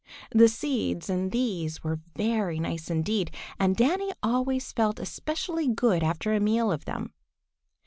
The seeds in these were very nice indeed, and Danny always felt especially good after a meal of them.